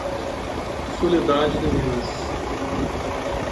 Soledade de Minas